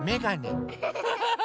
アハハハ！